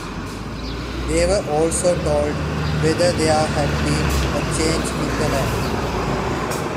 They were also told whether there had been a change in the lead.